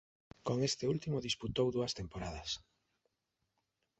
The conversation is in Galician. Con este último disputou dúas temporadas.